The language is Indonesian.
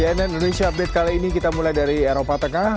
cnn indonesia update kali ini kita mulai dari eropa tengah